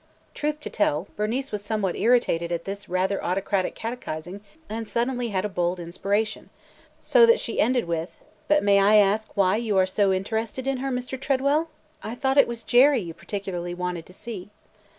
Truth to tell, Bernice was somewhat irritated at this rather autocratic catechizing and suddenly had a bold inspiration, so that she ended with – "But may I ask why you are so interested in her, Mr. Tredwell? I thought it was Jerry you particularly wanted to see."